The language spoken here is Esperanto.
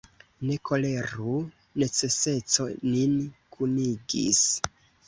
Ne koleru: neceseco nin kunigis!